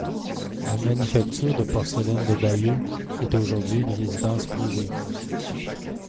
La manufacture de porcelaine de Bayeux est aujourd'hui une résidence privée.